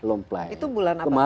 lomplai itu bulan apa